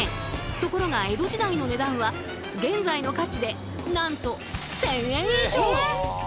ところが江戸時代の値段は現在の価値でなんと１，０００円以上！